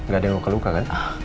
gak ada yang ngekeluhkan kan